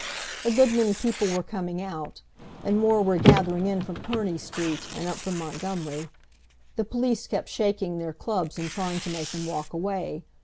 A good many people were coming out, and more were gathering in from Kearney Street, and up from Montgomery. The police kept shaking their clubs and trying to make them walk away.